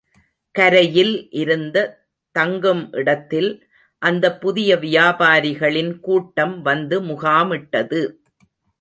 கரையில் இருந்த தங்கும் இடத்தில் அந்தப் புதிய வியாபாரிகளின் கூட்டம் வந்து முகாமிட்டது.